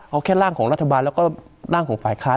เอาแค่ร่างของรัฐบาลแล้วก็ร่างของฝ่ายค้าน